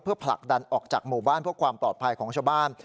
ผลักดันออกจากหมู่บ้านเพื่อความปลอดภัยของชาวบ้าน